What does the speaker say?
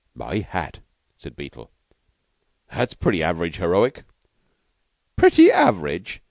"My Hat!" said Beetle. "That's pretty average heroic." "Pretty average!"